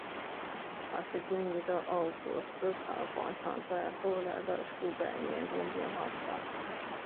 查士丁尼的奥古斯塔广场在后来的数百年中变化不大。